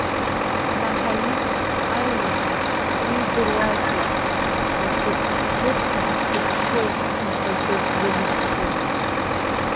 Маҳаид аилымга иидыруазеи, аџықә-џықәҳәа дыччоит ихаҿы бзамыҟәӡа.